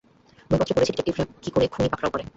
বইপত্রে পড়েছি ডিটেকটিভরা কী করে খুনী পাকড়াও করে।